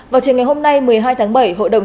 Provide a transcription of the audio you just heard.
vào trường ngày hôm nay một mươi hai tháng bảy